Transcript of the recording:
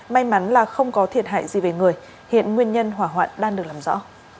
may mắn là không có thiệt hại gì về người hiện nguyên nhân hỏa hoạn đang được làm rõ